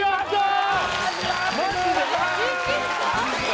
マジで？